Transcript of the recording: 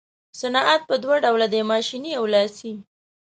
صنعت په دوه ډوله دی ماشیني او لاسي.